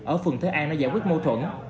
ở phường thế an để giải quyết mô thuẫn